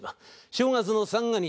正月の三が日